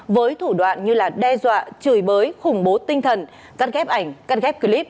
với thủ đoạn như đe dọa chửi bới khủng bố tinh thần cắt ghép ảnh căn ghép clip